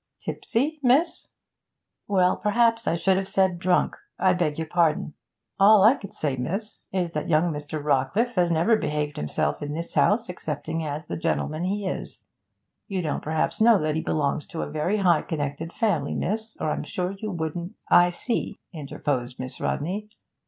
'Tipsy, miss?' 'Well, perhaps I should have said "drunk"; I beg your pardon.' 'All I can say, miss, is that young Mr. Rawcliffe has never behaved himself in this house excepting as the gentleman he is. You don't perhaps know that he belongs to a very high connected family, miss, or I'm sure you wouldn't' 'I see,' interposed Miss Rodney.